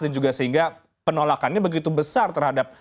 dan juga sehingga penolakannya begitu besar terhadap